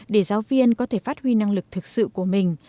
để giáo viên có thể phát huy năng lực thực sự của mình